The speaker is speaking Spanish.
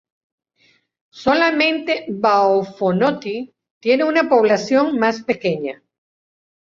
Solamente Va'a-o-Fonoti tiene una población más pequeña.